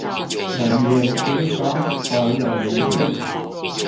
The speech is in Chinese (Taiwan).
楞嚴經中佛有遺訓